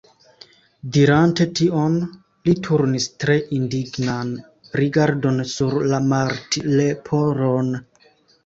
Dirante tion li turnis tre indignan rigardon sur la Martleporon.